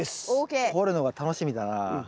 掘るのが楽しみだな。